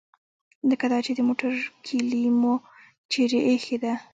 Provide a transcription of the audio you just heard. لکه دا چې د موټر کیلي مو چیرې ایښې ده.